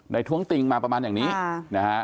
ท้วงติงมาประมาณอย่างนี้นะฮะ